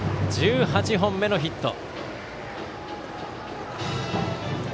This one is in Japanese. １８本目のヒット。